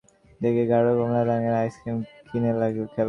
তোমার বন্ধু বিদ্যালয়ের সামনে থেকে গাঢ় কমলা রঙের আইসক্রিম কিনে খেল।